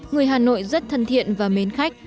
người hà nội rất thân thiện và mến khách